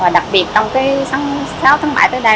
và đặc biệt trong tháng sáu tháng bảy tới đây